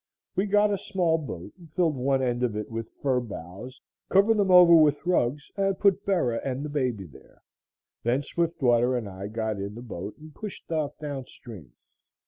We got a small boat and filled one end of it with fir boughs, covered them over with rugs, and put Bera and the baby there. Then Swiftwater and I got in the boat and pushed off down stream.